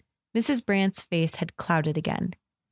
Mrs. Brant's face had clouded again.